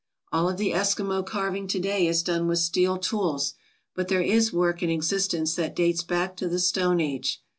All of the Eskimo carving to day is done with steel tools, but there is work in existence that dates back to the Stone Age.